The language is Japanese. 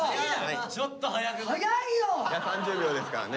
３０秒ですからね